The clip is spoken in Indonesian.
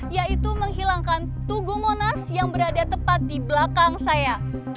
yaitu menghilangkan tugu monas yang berada tepat di belakang saya